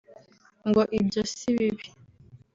ngo ibyo si bibi